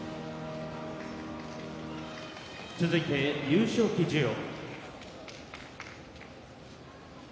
続いて優勝旗授与。